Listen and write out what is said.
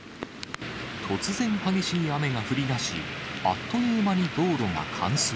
突然、激しい雨が降りだし、あっという間に道路が冠水。